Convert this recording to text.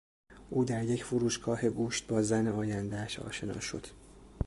او در یک فروشگاه گوشت با زن آیندهاش آشنا شد.